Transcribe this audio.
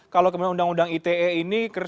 kalau kemudian undang undang ite ini